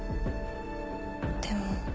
でも。